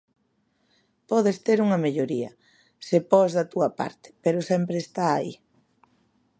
Podes ter unha melloría, se pos da túa parte, pero sempre está aí.